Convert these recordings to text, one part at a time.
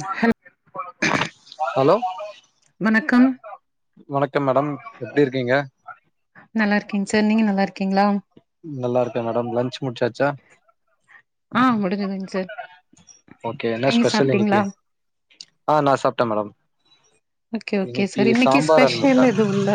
நஹெல் hello வணக்கம் வணக்கம் madam எப்டி இருக்கீங்க நல்லா இருக்கே சார் நீங்க நல்லா இருக்கீங்களா நல்லா இருக்கேன் மேடம் லன்ச் முடிச்சாச்சா ஆ முடிஞ்சதுங்க சார் ஓகே என்ன நீங்க ஸ்பெஷல் சாப்ட்டீங்களா இன்னைக்கு ஆ நா சாப்ட்டேன் மேடம் ஓகே ஓகே சார் இன்னைக்கு சாம்பார் அண்ட் ஸ்பெஷல் முட்ட எதுவு இல்ல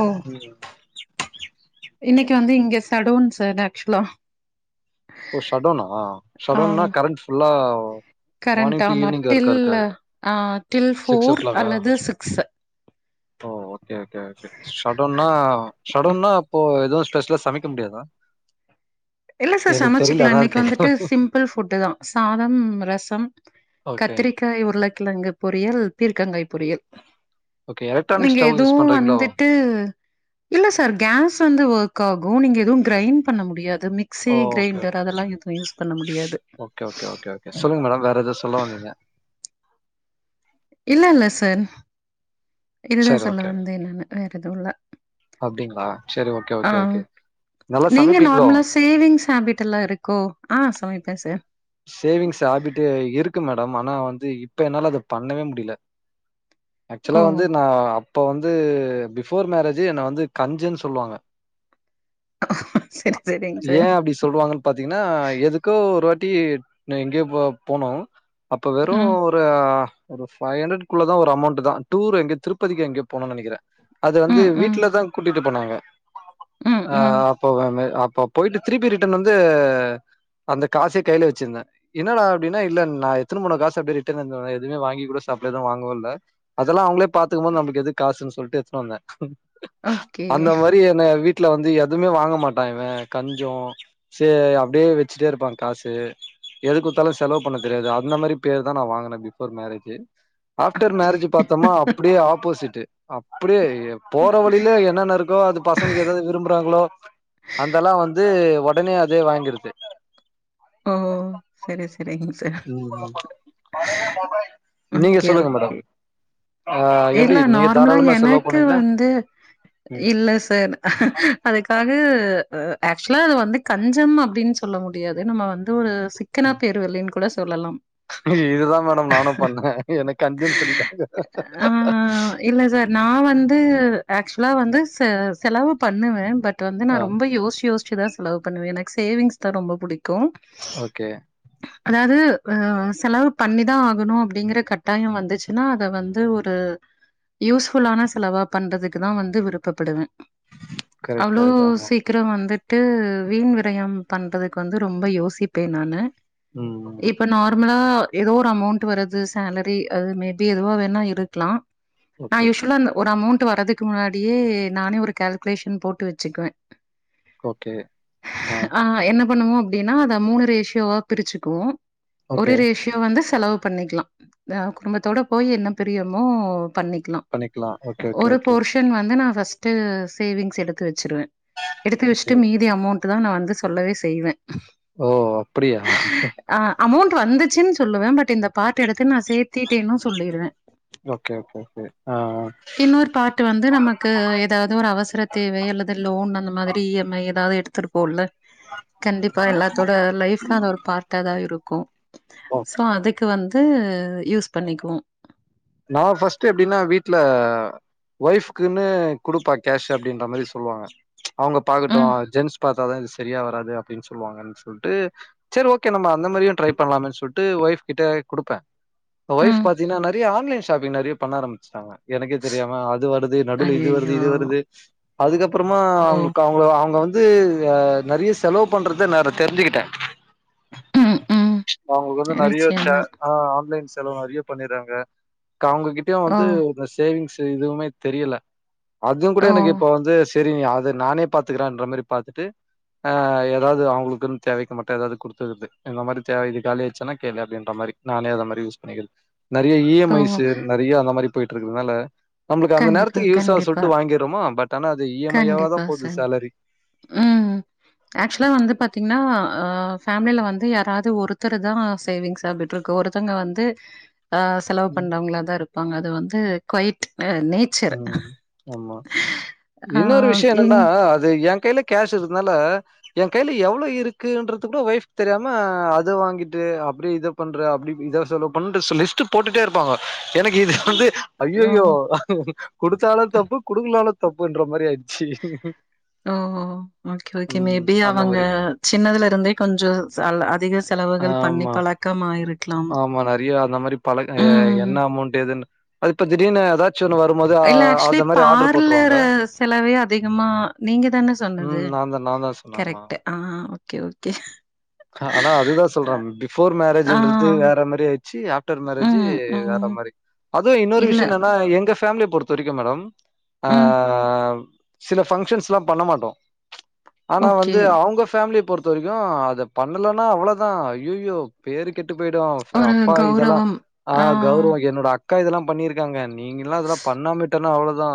ஓ ம் இன்னைக்கு வந்து இங்க சடோன் சார் ஆக்சுவலா ஓ சடோனா ஆ சடோன்னா கரண்ட் ஃபுல்லா கரண்ட் மார்னிங் டு ஆமா ஈவினிங் வரைக்கு டில் இருக்காது ஆ டில் சிக்ஸ் ஓ ஃபோர் கிளாக்கா அல்லது சிக்ஸ் ஓ ஓகே ஓகே ஓகே ஷடோன்னா ஷடோன்னா அப்போ எதுவு ஸ்பெஷல்லா சமைக்க முடியாதா இல்ல சார் எனக்கு தெரில சமைச்சிக்கலா அதா இன்னைக்கு கேக்குறே வந்துட்டு சிம் பிள் ஃபுட் தா சாதம் ரசம் ஓகே கத்திரி காய் உருளக்கிழங்கு பொறியல் பீர்க்கங்காய் பொறியல் ஓகே எலக்ட்ரானிக் நீங்க ஸ்டவ் யூஸ் எதுவு பண்றீங்களோ வந்துட்டு இல்ல சார் கேஸ் வந்து ஒர்க் ஆகு நீங்க எதுவு கிரைண்ட் பண்ண முடியாது மிக் சி ஓ ஓகே கிரைண்டர் அதெல்லா எது யூஸ் பண்ண முடியாது ஓகே ஓகே ஓகே ஓகே சொல்லுங்க மேடம் வேற எதா சொல்ல வந்தீங்க இல்ல இல்ல சார் இதுதா சரி சொல்ல ஓகே வந்தேன் நானு வேற எதுவு இல்ல அப்டிங்களா செரி ஓகே ஆ ஓகே ஓகே நல்லா நீங்க சமைப்பீங்ளோ நார்மலா சேவிங்ஸ் ஹேபிடல்லா இருக்கோ ஆ சமைப்பேன் சார் சேவிங்ஸ் ஹேபிட்டு இருக் கு மேடம் ஆனா வந்து இப்ப என்னால அத பண்ணவே முடியல ஓ! ஆக்சுவலா வந்து நா இப்போ வந்து பிஃபோர் மேரேஜ்ஜே என்ன வந்து கஞ்சன்னு சொல்லுவாங்க சரி, சரிங்க சார். ஏன் அப்டி சொல்லுவாங்கன்னு பாத்தீங்கன்னா எதுக்கோ ஒரு வாட் டி நா எங்கேயோ போ போனோம் அப்ப வெறும் ம். ஒரு ஒரு ஃபைவ்ஹண்ட்ரட குள்ள ஒரு அமௌண்ட் தா டூர் எங்க திருப்பதிக்கு எங்கயோ போனோனு நெனைக்கிறே அது வந்து ம், ம். வீட்டுலதா கூட்டிட்டு போனாங்க ம், அ ம். அப்ப வ வ அப்ப போயிட்டு திருப்பி ரிட்டன் வந்து அந்த காசே கையில வச்சிருந்தே என்னடா அப்டின்னா இல்ல நா எடுத்துனு போன காச அப்டியே ரிட்டன் எடுத்துட்டு வந்தே எதுமே வாங்கி கூட சாப்டல எதுவு வாங்கவு இல்ல அதெல்லா அவங்களே பாத்துக்கும்போது நம்மளுக்கு எதுக்கு காசுன்னு சொல்லிட்டு எடுத்துட்டு வந்தேன் ஓகே. அந்த மாதிரி என்ன வீட் டுல வந்து எதுவுமே வாங்க மாட்டான் இவ கஞ்சோ சேர் அப்டியே வச்சுட்டே இருப்பா காஸ் ஸு எது குடுத்தாலு செலவு பண்ண தெரியாது அந்த மாதிரி பேரு தா நா வாங்கினே பிபோர் மேரேஜ்ஜு ஆஃப்டர் மேரேஜ் பாத்தோமா அப்டியே ஆப்போசிட்டு அப்டியே போற ம். வழியில என்னென்ன இருக்கோ அது பசங்களுக்கு எதெது விரும்புறாங்களோ அதெல்லா வந்து உடனே அதே வாங்கிரது ஓ செரி செ சரிங்க சார் ம். நீங்க ஓகே சொல்லுங்க மேடம். ஓகே ஆ எப்டி இல்ல நீங்க நார்மலா தாராளமா செலவு எனக்கு பண்ணுவீங்களா வந்து ம் இல்ல சார் அதுக்காக ஆக்சுவலா அது வந்து கஞ்சம் அப்படின்னு சொல்ல முடியாது நம்ம வந்து ஒரு த்துனா பேர்வர்லின்னு கூட சொல்லலாம் இதுதா மேடம் நானும் பண்ணே எனக்கு கஞ்சன்னு சொல்லிட்டாங்க ஆ இல்ல சார் நா வந்து ஆக்சுவலா வந்து செ செலவு பண்ணுவேன் பட் வந்து ஆ நான் ரொம்ப யோசிச்சு யோசிச்சுதா செலவு பண்ணுவே எனக்கு சேவிங்ஸ் தா ரொம்ப பிடிக்கு ஓகே அதாவது செலவு பண்ணிதா ஆகணு அப்படிங்கற கட்டாயம் வந்துச்சுன்னா அத வந்து ஒரு யூஸ்புல்லான செலவா பண்றதுக்குதா வந்து விருப்பப்படுவே கரெக்ட் அவ்வளோ கரெக்ட் ஆமா சி க்கிரோ வந்துட்டு வீண் விரயம் பண்றதுக்கு வந்து ரொம்ப யோசிப்பே நானு ம் இப்ப நார்மலா எதோ ஒரு அமோண்ட் வருது சேலரி அது மேபி எதுவா வேணா இருக்கலா நா ஓகே யூஷவலா அந் ஒரு அமோண்ட் வரதுக் க்கு முன்னாடியே நானே ஒரு கால்குலேஷன் போட்டு வச்சுக்குவே ஓகே ஆ என்ன பண்ணுவோ அப்டின்னா அதை மூணு ரேஷியோவா பிரிச்சுக்குவோ ஒரு ஓகே ரேஷியோ யோ வந்து செலவு பண்ணிக்கலா குடும்பத்தோட போய் என்ன பிரியமோ பண்ணிக்கலா பண்ணிக்கலா ஓகே ஓகே ஒரு ஓகே போர்ஷ் வந்து நான் பஸ்ட் சேவிங்ஸ் எடுத்து வச்சிருவே எடுத்து ஓகே வெஸ்ட்டு மீதி அமோண்ட் ட்டு தான் நா வந்து சொல்லவே செய்வே ஓ அப்பிடியா ஆ அமோண்ட் வந்துச்சுன்னு சொல்லுவே பட் இந்த பார்ட் எடுத்து நா சேர்த்தட்டேன்னு சொல்லிருவே ஓகே ஓகே ஓகே ஆ ஆ இன்னொரு பார்ட்டு வந்து நமக்கு எதாவது ஒரு அவசர தேவை அல்லது லோன் அந்த மாதிரி இ எம் ஐ எதாவது எடுத் த்துரு போல கண்டிப்பா எல்லாத்தோட லைஃப்லா அது ஒரு பார்ட்டா தா இருக்கு ஓகே சோ அதுக்கு வந்து யூஸ் பண்ணிக்குவோ நா ஃபர்ஸ்ட் எப்படின்னா வீட்ல ஒய்ஃப்குன்னு குடுப்பா கேஷ் அப்டின்ற மாரி சொல்லுவாங்க அவுங்க பாக்கட்டும் ம், ஜென்ஸ் பாத்தாதா இது சரியா வராது அப்படின்னு சொல்லுவாங்க சொல்ட்டு செரி ஓகே நம்ம அந்த மாதிரியு ட்ரை பண்ணலாமே சொல்ட்டு ஒய்ஃப் கிட்ட குடுப்பே ஒய்ஃப் ம். பாத்தீங்கன்னா நறைய ஆன்லைன் ஷாப்பிங் நறைய பண்ண ஆரம்பிஸ்டாங்க எனக்கே தெரியாம அது வருது நடுல இது வருது ஐயய்யோ! இது வருது அதுக்கப்புறமா ஓ! அவுங்களுக்கு அவுங்க அவுங்க வந்து நறைய செலவு பண்றத நற தெரிஞ்சுக்கிட்டே ம், ம். அவுங்களுக்கு வந்து நறைய நிச்சயமா. ஆ ஆன்லைன் செலவு நறைய பண்ணிறாங்க கா அவுங்ககிட்டயு ஓ! வந்து இந்த சேவிங்ஸ் இதுவுமே தெரியல அதுவுங் கூட ஓ! எனக்கு இப்ப வந்து தெரியு அதை நானே பாத்துக்குரேன்ற மாரி பாத்துட்டு ஆ எதாவது அவுங்களுக்குன்னு தேவைக்கு மட்டும் எதாவது குடுத்துறது இந்த மாரி தேவைக்கு காலியாச்சுன்னா கேளு அப்டின்ற மாரி நானே அத மாதிரி யூஸ் பண்ணிக்கறே நிறைய இ எம் ஓ! ஐஸ் நறைய அந்த மாரி போயிட்டு இருக்கறதுனால நம்மளுக்கு அந்த கண்டிப்பா, நேரத்துக்கு யூஸா கண்டிப்பா. சொல்ட்டு வாங்கிறோமோ பட் ஆனா அது இ எம் ஐயா கண்டிப்பா தான் போகுது சேலரி ஆக்சுவ்லா வந்து பாத்தீங்னா ஆ ஃபேம்லில வந்து யாராது ஒருத்தர தா சேவிங்ஸ் அப்டெ ட்ருக்கு ஒருத்தவ்ங்க வந்து ஆ ஸ் செலவு ம் பண்றவ்ங்களா தா இருப்பாங்க அது வந்து கொயிட் அ நே ம் ஆமா ஆ இன்னொரு விஷ்ய இங் என்னென்னா அது எ கைல கேஷ் இருந்தனால எ கைல எவ்ளோ இருக்குன்றது கூட ஒய்ஃபுக்கு தெரியாம அத வாங்கிட்டு அப்டியே இத பண்ற அப்டி இத செலவு பண்ற சோ லிஸ்ட்டு போட்டுட்டே இருப்பாங்க எனக்கு இது வந்து ஓ ஐயயோ குடுத்தாலு தப்பு குடுக்கலாலு தப்புன்ற மாரி ஆயிடுச்சு ஆ ஆ ஓகே ஓகே ம் மேபி அந்த அவங்க மாரி சின்னதுல இருந்தே கொஞ்ச செல் அதிக செலவுகள் பண்ணி ஆமா பழக் க்கமாயிருக்கலா ஆமா நெறையா அந்த மாரி பழ ஏ என்ன அமௌண்ட் எதுன்னு அது இப்ப திடீர்னு எதாச்சு ஒன்னு வரும்போது அ இல்ல ஆக்சுவலி அந்த மாரி ஆர்டர் போட்டுருவாங்க. பார்லரு செலவே அதிகமா நீங்க தான சொ சொன்னது ம் நான் தான் நான் தான் சொன்னே ஆமா. கரெக்ட்டு ஆ ஓகே ஓகே ஹா அதா அதுதா சொல்றே பிஃபோர் ஆ மேரேஜுன்றது வேற மாரி ஆயிர்ச்சு ஆஃப் டர் மேரேஜு ம் வேற ம் மாரி அதுவு இன்னொரு இல்ல விஷ்ய என்னனா எங்க ஃபேம்லிய பொறுத்த வரைக்கு மேடம் ஆ ம் சில ஃபங்க்ஷன்ஸ்லா பண்ண மாட்டோ ஆனா ஓகே வந்து அவ்ங்க ஃபேம்லிய பொறுத்த வரைக்கு அத பண்ணலனா அவளதா ஐயயோ பேரு கெட்டு போயிடு சேரி ஒரு அப்பா இதெல்லா கௌரவம் ஆ கௌரவ என்னோட அக் அக்கா இதெல்லா பண்ணிருக்காங்க நீங்கலா அதெல்லா பண்ணாம விட்டனா அவ்ளோதா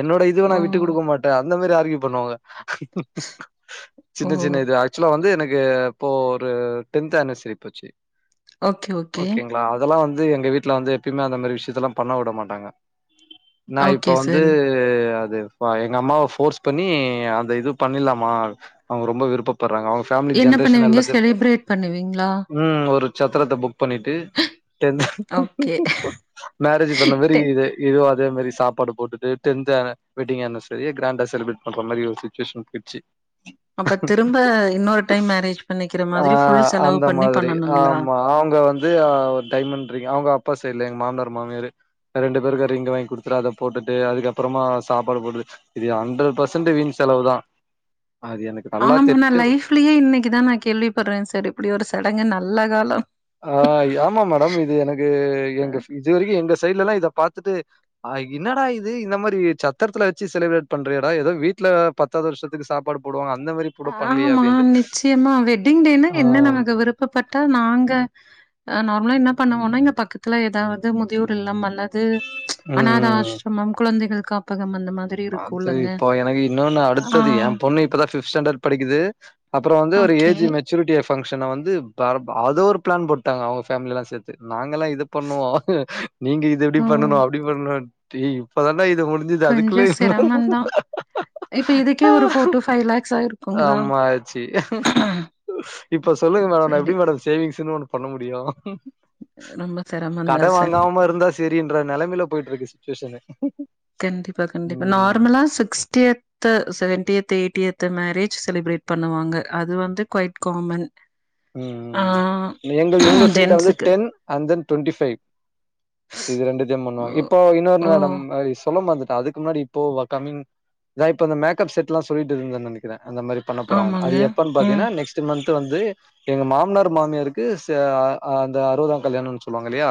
என்னோட இதுவ நா ஓ விட்டு குடுக்க மாட் டே அந்த மாரி ஆர்க்யூ பண்ணுவாங்க ஓ சின்ன சின்ன இது ஆக்சுவலா வந்து எனக்கு கு இப்போ ஒரு டென்த்து ஆண்வெர்சரி போச்சு ஓகே ஓகே ஓகேங்ளா அதெல்லா வந்து எங்க வீட்ல வந்து எப்பயுமே அந்த மாரி விஷ்யத்தெல்லா பண்ண விட மாட்டாங்க நா இப்ப ஓகே வந்து சார். அது பா எங்க அம்மாவ ஃபோர்ஸ் பண்ணி அந்த இது பண்ணிற்லாமா அவ்ங்க ரொம்ப விருப்பப்பட்றாங்க அவ்ங் என்ன பண்ணுவீங்க செலிப்ரேட் பண்ணுவீங்ளா ம் ஒரு சத்திரத்த புக் பண்ணிட்டு டென் ஓகே. மேரேஜு பண்ண மாரி டெ இதை இதுவு அதே மாரி சாப்பாடு போட்டுட்டு டென்த் ஆண வெட்டிங் ஆண்வெர்சரிய கிராண்டா செலிப்ரேட் பண்ற மாரி ஒரு சுச்சுவேஷன் போயிட்ச்சு அப்ப திரும்ப இன்னொரு டைம் மேரேஜ் பண்ணிக்கிற மாதிரி ஃபுல் செலவு பண்ணி பண்ணணுங்ளா அவ்ங்க வந்து ஆ ஒரு டைமண்ட் ரிங் அவ்ங்க அப்பா சைட்ல எங்க மாமனார் மாமியாரு ரெண்டு பேருக்கு ரிங்க்கு வாங்கி குடுத்துட்டு அத போட்டுட்டு அதுக்கப்பறமா சாப்பாடு போட்டு இது ஹண்ட்ரட் பெர்சன்ட்டு வீண் செலவு தா அது எனக் ஆமா நா லைஃப்லயே இன்னைக்குதா நா கேள்விப்பட்றே சார் இப்டி ஒரு சடங்க நல்ல கால ஆயாமா மேடம் இது எனக்கு எங்க இது வரைக்கு எங்க சைட்லலா இத பாத்துட்டு ஆ இன்னடா இது இந்த மாரி சத்தரத்துல வெச்சு செலிப்ரேட் பண்றியேடா எதோ வீட்ல பத்தாவ்து வர்ஷத்துக்கு சாப்பாடு போடுவாங்க அந்த மாரி கூட பண்ணலையே! ஆமா அப்டின்ட்டு. நிச்சயமா வெட்டிங் டேனா ஆ. என்ன நமக்கு விருப் பப்பட்டா நாங்க அ நார்மலா என்ன பண்ணுவோனா இங்க பக்கத்துல எதாவ்து முதியோர் இல்லம் அன்ன து அனாத ம். ஆசிரமம் குழந்தைகள் காப்பகம் அந்த மாதி அது இப்போ எனக்கு இன்னொன்னு ஆ, அடுத்தது எ பொண்ணு இப் இப்ப தா ஃபிஃப்த் ஸ்டாண்டர்ட் படிக்குது அப்பற வந்து ஒரு ஓகே. ஏஜு மெச் ச்சுரிட்டிய ஃப்ங்க்ஷன வந்து வேற அத ஒரு பிளான் போட்டாங்க அவ்ங்க ஃபேம்லிலா சேத்து நாங்கல்லா து பண்ணுவோ நீங்க இது இப்டி ஓ! பண்ணனு அப்டி பண்ணு டே இப்பதாண்டா இத முடிச் இது அதுக்குல்லே செரமந்தா இப்ப இதுக்கே ஒரு ஃபோர் டூ ஃபைவ் லாக்ஸ் ஆயிருக்குங்களா ஆமா ஆச்சு. இப்ப சொல்லுங்க மேடம் நா சரி எப்டி மேடம் சேவிங்ஸ்ன்னு ஒண்ணு பண்ண முடியு ரொம்ப சிரமந்தா கட சார் வாங்காமா இருந்தா செரின்ற நிலைமையில போயிட்டு இருக்கு சுச்சுவேசனு கண்டிப்பா கண்டிப்பா நார்மலா sixtieth seventieth eightieth the marriage celebrate பண்ணுவாங்க அது வந்து குவயிட் காமன் ம் ஆ ம் ம் எங்க இவுங்க சைட்ல வந்து ஜென்ஸுக்கு ten and then twenty five இது ரெண்டுத்தையு பண்ணுவாங் ஓ இப்ப இன்னொனு ஓ, மேடம் சொல்ல மறந்துட்டே அதுக்கு முன்னாடி இப்போ வா கமிங் தா இந்த மேக்கப் செட்ல்லா சொல்லிட் இருந்தே நெனைக்றே அந்த மாரி பண்ண போறாங்கனா ஆமாங்க அது எப்பன்னு ம் பாத்தீங்கன்னா நெக்ஸ்ட்டு மந்த்து வந்து எங்க மாமனார் மாமியருக்கு சே அந்த அருவதா கல்யாணனு சொல்லுவாங்க இல்லையா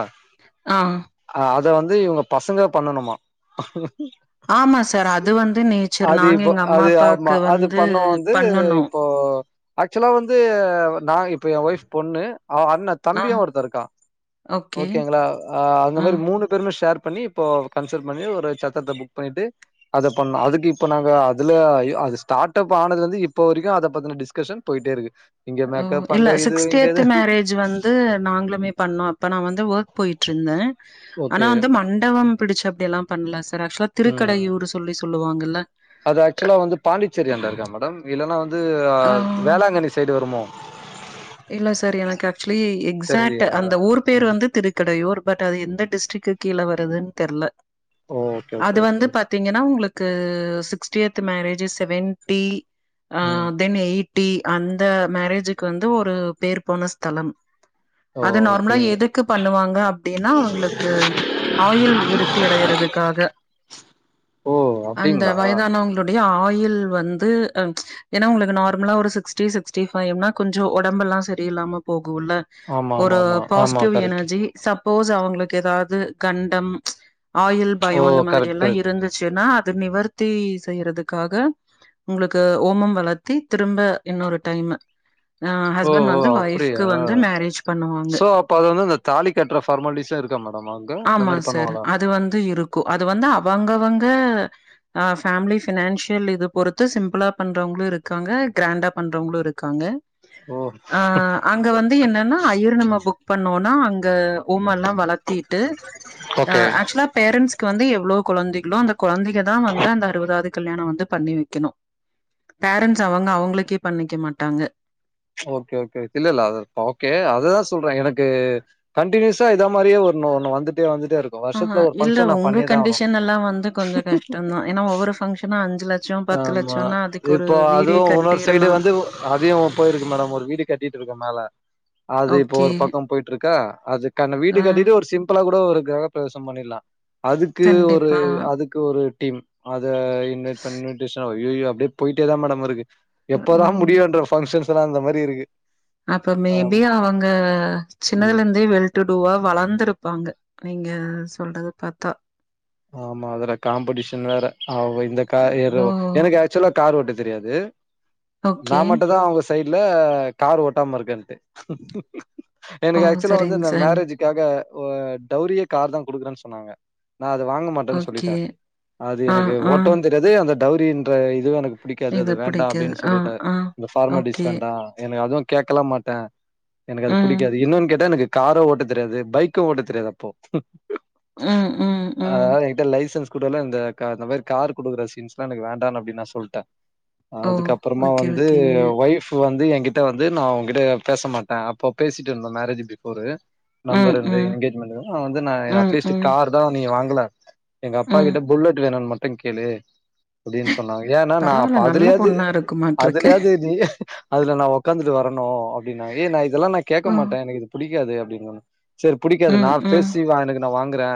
ஆ அ அத வந்து இவுங்க பசங்க பண்ணணுமா ஆமா சார் அது வந்து நேச்சர் அது நாங்க இப்ப எங்க அம்மா அது ஆமா அப்பாக்கு அது வந்து பண்ணோ வந்து பண்ணனு இப்போ ஆக்சுவலா வந்து நா இப்ப எ ஒய்ஃப் பொண்ணு அ அண்ணத் ஆ தம்பியு ஒருத்த இருக்கா ஓகே ஓகேங்களா அந்த ஆ மாரி மூணுப் ப்பருமே ஷேர் பண்ணி இப்போ கன்சல்ட் பண்ணி ஒரு சத்திரத்த புக் பண்ணிட்டு அத பண்ணோ அதுக்கு இப்ப நாங்க அதுல ஆயி அது ஸ்டார்ட் அப் ஆனதுலருந்து இப்ப வரைக்கு அத பத்துன டிஸ்கஷன் போயிட்டே இருக்கு இங்க ஓ மேக்கப், இல்ல அங்க இது, இங்க சிக்ஸ்டியத் இது. மேரே ஜ் வந்து நாங்களுமே பண்ணோ அப்ப நா வந்து ஒர்க் போயிட்டுருந்தே ஆனா ஓகே. வந்து மண்டபம் பிடிச்சு அப்டி எல்லா பண்ணல சார் ஆக்சுவலா ம். திருக்கடையூர் சொல்லி சொல்லுவாங்கல்ல அது ஆக்சுவலா வந்து பாண்டிச்சேரி ஆண்ட இருக்கா மேடம் இல்லைன்னா வந்து ஆ வேளாங்கண்ணி சைடு வருமோ இல்ல சார் எனக்கு ஆக்சுலி எக்ஸாக்ட் தெரியலையா? அந்த ஊர் பேர் ம். வந்து திரு கடையூர் பட் அது எந்த டிஸ்டிக்கு கீழ வருதுன் தெர்ல ஓ! ஓகே, ஓகே, அது ஓகே. வந்து பாத் தீங்கனா உங்களுக்கு சிக்ஸ்டியத்து மேரேஜ்ஜு செவன்டி ஆ ம். தென் எய்ட் டி அந்த மேரேஜுக்கு வந்து ஒரு பேர் போன ஸ்தலம் ஓ! அது நார்மலா அப்படிங்களா? எதுக்கு பண்ணுவாங்க அப்டின்னா அவங்களுக்கு ஆயுள் விருத்தி அடையறதுக்காக ஓ! அந்த அப்படிங்களா? வயதானவங் களுடைய ஆயிள் வந்து ஏனா உங்களுக்கு நார்மலா ஒரு சிக்ஸ்டி சிக்ஸ்டி ஃபவ்னா கொஞ்சோ உடம்பெல்லா செரியில்லாம போகுல்ல ஒரு ஆமாமாமா. ஆமா பாசிட்டிவ் கரெக்ட். எனர்ஜி சப்போஸ் அவுங்களுக்கு ஏதாவது கண்டம் ஆயுள் ஓ பயம் அந்த கரெக்ட் மாதிரில்லா கரெக்ட் இருந்து ச்சுனா அது நிவர்த்தி செய்யறதுக்காக உங்ளுக்கு ஓமம் வளர்த்தி திரும்ப இன்னொரு டைம்மு அ ஓ ஹஸ்பண்ட் ஓ வந்து அப்டியா ஒய்ஃப்க்கு வந்து மேரேஜ் பண்ணுவாங்க சோ அப்ப அது வந்து அந்த தாலி கட்டுற ஃபார்மாலிட்டிஸ்லா இருக்கா மேடம் அங்க இந்த ஆமா மாரி சார் பண்ணுவாங்களா அது வந்து இருக் கு அது வந்த அவங்க அவங்க ஃபேமிலி ஃபினான்ஷியல் இது பொறுத்து சிம்ப்ளா பண்றவங்களு இருக்காங்க கிராண்டா பண்றவங்களு இருக்காங்க ஓ ஆ அங்க வந்து என்னன்னா ஐயர் நம்ம புக் பண்ணோனா அங்க ஓமல்லா வளத்தீட்டு ஓகே ஆக்சுலா பேரண்சுக்கு வந்து எவ்ளோ குழந்தைகளோ அந்த கொழந்தைகதா வந்து அந்த அறுவதாவது கல்யாணோ வந்து பண்ணி வெக்கணு பேரண்ட்ஸ் அவங்க அவங்களுக்கே பண்ணிக்க மாட்டாங்க ஓகே ஓகே இல்லல்ல அத ஓகே அததா சொல்றே எனக்கு கண்டினியூயஸா இத மாதிரியே ஒன்ன ஒன்னு வந்துட்டே வந்துட்டே இருக் ஆஹா இல்ல உங்க கண்டிஷனல்லா வந்து கொஞ்சோ கஷ்டோதா ஏன்னா ஒவ்வொரு ஃபங்ஷனோ அஞ்சு ல ஆமா இப்போ அதுவோ ஒன்னொர் சைடு கட்டிர்லாம். வந்து அதையு போயிருக்கு மேடம் ஒரு வீடு கட்டிட்டு இருக்க மேல அது இப்போ ஓகே. ஒரு பக்கோ போயிட் ருக்கா அதுக்கான வீடு ஆ கட்டிட்டு ஒரு சிம்பிளா கூட ஒரு க்ரஹப் பிரவேசோ பண்ணிட்லா அதுக்கு ஒரு கண்டிப்பா. அதுக் கு ஒரு டீம் அத இன்வைட் பண்ணி டிஷா ஐயையோ அப்டியே போய்ட்டே தா மேடம் இருக்கு எப்பதா ம். முடியோன்ற ஃபங்க்ஷன்ஸ் எல்லா அந்த மாரி இருக்கு அப்ப ஆம் மேபி அவுங்க ம் சின்னதுலர்ந்தே வெல் டூ டூவா வளந்திருப்பாங்க நீங்க சொல்றது பாத்தா ஆமா அதற காம்படீஷன் வேற அவ இந்த காயிரு ஓ! எனக் அ க்சூவலா கார் ஓட்ட தெரியாது நா ஓகே. மட்ட தா அவுங்க சைட்ல கார் ஓட்டாம இருக்கர்து ஓ! எனக்கு ஆக்சூலா வந்து சரிங்க இந்த சார். மேரேஜ் க்காக ஒ டௌரியே கார் தா குடுக்கறேன் சொன்னாங்க நா அது வாங்க மாட்டேன்னு சொல்லிட்டே ஓகே. அது ஆ, எனக்கு ஆ. ஓட்டவு தெரியாது அந்த டௌரின்ற இதுவு எனக்கு பிடிக்காது இது அது வேண்டா பிடிக்காது. அப்டின்னு ஆ, சொல்லிட்டு ஆ. இந்த ஃபார்மாலிடிஷ் ஓகே. வேண்டா எனக்கு அதுவு கேக்கலா மாட்டே எனக்கது ம். புடிக்காது இன்னொன் கேட்டா எனக்கு காரோ ஓட்ட தெரியாது பைக்க ஓட்ட தெரியாது அப்போ ம், ம், ம். என்ட லைசன்ஸ் கூடல்ல இந்த இந்த மாதிரி கார் குடுக்குற சீன்ஸ் எல்லா எனக்கு வேண்டானா அப்படின் நான் சொல்டே ஓ! அதுக்கப்பபறமா ஓகே, வந்து ஓகேங்க. ஒய்ஃப் பு வந்து என்கிட்ட வந்து நா உங்கிட்ட பேச மாட்டே அப்போ பேசிட்ருந்தோ மேரேஜ் பிஃபோரு ம், நம்பர் இருந்து ம், எங்கேஜ்மெண்ட் வந்து நா ம், அட்லீஸ்ட் ம், கார் தான் நீங்க வாங்கல எங்க அப்பா ம். கிட்ட புல்லெட் வேணோண் மட்டோ கேளு அப்படின்னு சொன்னாங்க ஏன்னா நா அப்ப பரவால்ல நல்ல அதுலாயாவுது பொண்ணா இருக்குமாட்ருக்கு. அதுலயாது நீ அதல நா ஒக்காந்துட்டு வரனோ அப்படின்னா ஏ நா இதெல்லா நா ஓ! கேக்கமாட்டே எனக்கு இது பிடிக்காது அப்டின்ன செர் புடிக்காது நா ம், ம். பேசி வா எனக்கு நா வாங்குறே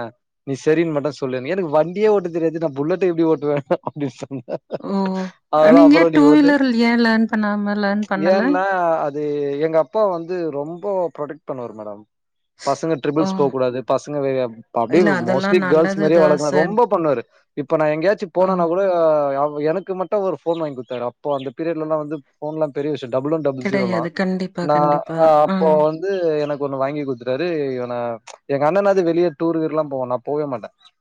நீ செரின் மட்டோ சொல்லு எனக்கு வண்டியே ஓட்ட தெரியாது நா புல்லட் எப்டி ஓட்டுவே அப்படின் சொன் ஓ! அதெல்லா நீங்க அப்றோ ஏன் டூ நீ ஓட்டு வீலர் ஏன் லேர்ன் பண்ணாம லேர்ன் பண்ணல? ஏன்னா அது எங்க அப்பா வந்து ரொம்போ புரொடெக்ட் பண்ணுவார் மேடம் பசங்க ஓ! ட்ரிபிள்ஸ் போக் கூடாது பசங்க வெ அப்டியே இல்ல மோ ஸ்ட்லி அதெல்லாம் கேல்ஸ் நல்லது மாரியே தான் வளக் சார். ரொம்ப பண்ணுவாரு இப்ப நா எங்கயாச்சி ஓ! போனனா கூட அ எனக்கு மட்டோ ஒரு ஃபோன் வாங்கி குத்தாரு அப்போ அந்த பீரியட்லல்லா வந்து ஃபோன்லா பெரிய விஷியோ டபுள் ஒன் டபுள் ஷிரோ தா கிடையாது. கண்டிப்பா, நா கண்டிப்பா. ஆ. அப்ப வ ந்து எனக்கு ஒண்ணு வாங்கி குடுத்துட்டாரு இவன எங்க அண்ணனாவது வெளியே டூரு கீருலா போவா நா போவே மாட்டே